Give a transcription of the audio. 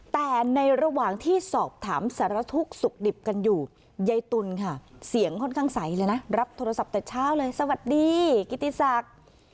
แต่ในระหว่างที่สอบถามสารทุกข์สุขดิบกันอยู่ยายตุ๋นค่ะเสียงค่อนข้างใสเลยนะรับโทรศัพท์แต่เช้าเลยสวัสดีกิติศักดิ์